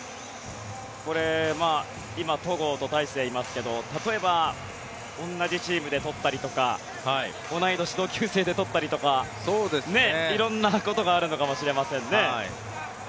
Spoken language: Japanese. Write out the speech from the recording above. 今、戸郷と大勢がいますが例えば同じチームで撮ったりとか同い年、同級生で撮ったりとか色んなことがあるのかもしれませんね。